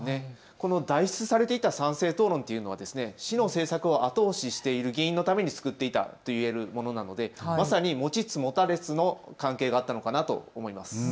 この代筆されていた賛成討論というのは市の政策を後押ししている議員のために作っていたというものなのでまさに持ちつ持たれつの関係だったのかなと思います。